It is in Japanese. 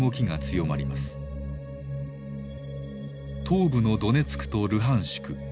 東部のドネツクとルハンシク。